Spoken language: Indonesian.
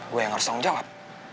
gue yang harus tanggung jawab